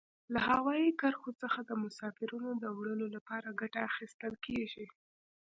له هوایي کرښو څخه د مسافرینو د وړلو لپاره ګټه اخیستل کیږي.